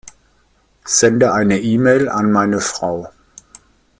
Sende eine E-Mail an meine Frau.